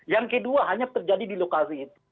yang kedua hanya terjadi di lokasi itu